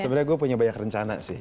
sebenarnya gue punya banyak rencana sih